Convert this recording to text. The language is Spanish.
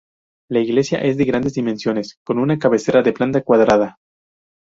La iglesia es de grandes dimensiones, con una cabecera de planta cuadrada.